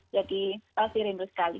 jadi pasti rindu sekali